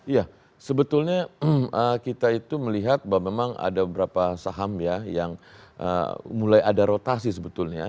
ya sebetulnya kita itu melihat bahwa memang ada beberapa saham ya yang mulai ada rotasi sebetulnya